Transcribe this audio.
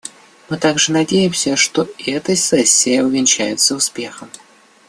Мы также надеемся, что эта сессия увенчается успехом.